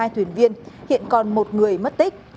hai thuyền viên hiện còn một người mất tích